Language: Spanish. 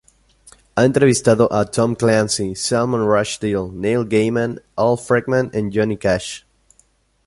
Ha entrevistado a Tom Clancy, Salman Rushdie, Neil Gaiman, Al Franken y Johnny Cash.